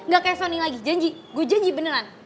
gak kayak sony lagi janji gue janji beneran